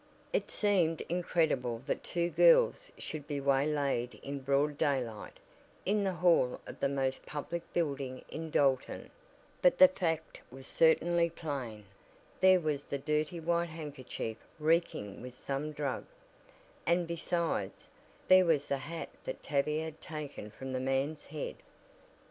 It seemed incredible that two girls should be way laid in broad daylight, in the hall of the most public building in Dalton, but the fact was certainly plain there was the dirty white handkerchief reeking with some drug, and besides, there was the hat that Tavia had taken from the man's head.